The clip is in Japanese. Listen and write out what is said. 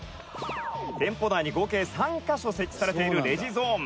「店舗内に合計３カ所設置されているレジゾーン」